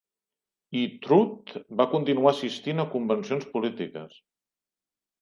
I Trout va continuar assistint a convencions polítiques.